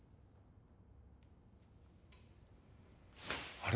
あれ？